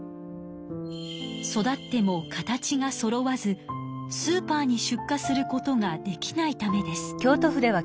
育っても形がそろわずスーパーに出荷することができないためです。